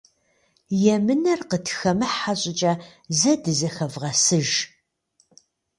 Емынэр къытхэмыхьэ щӏыкӏэ зэ дызэхэвгъэсыж.